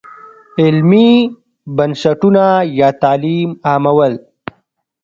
علمي بنسټونه یا تعلیم عامول.